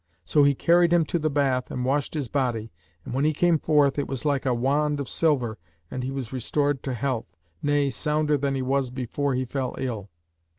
So he carried him to the bath and washed his body; and when he came forth, it was like a wand of silver and he was restored to health, nay, sounder than he was before he fell ill.